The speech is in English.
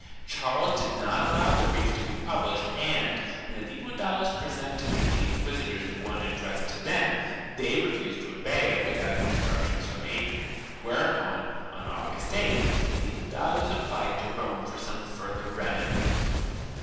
Charles did not allow the briefs to be pub lished and, when the Diputados presented to the inquisitors the one addressed to them, they refused to obey it without instruc tions from Adrian, whereupon, on August 8th, the Diputados applied to Rome for some further remedy.